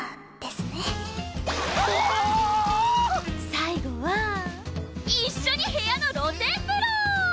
最後は一緒に部屋の露天風呂！